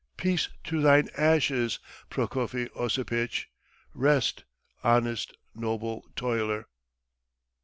Peace to thine ashes, Prokofy Osipitch! Rest, honest, noble toiler!"